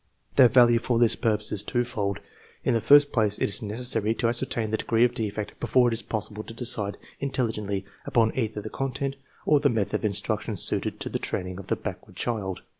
Their value for this purpose is twofold. In the first place, it is necessary to ascertain the degree of defect before it is possible to decide 6 THE MEASUREMENT OF INTELLIGENCE intelligently upon either tlie content or llie method of in struction suited to the training of the backward child.